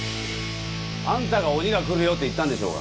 あんたが「鬼が来るよ」って言ったんでしょうが。